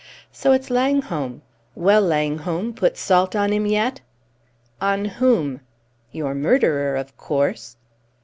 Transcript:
So it's Langholm! Well, Langholm, put salt on him yet?" "On whom?" "Your murderer, of course."